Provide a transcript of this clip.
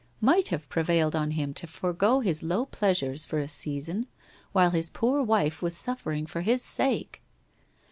— might have prevailed on him to forego his low pleasures for a season while his poor wife was suffering for his sake